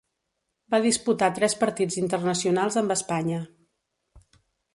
Va disputar tres partits internacionals amb Espanya.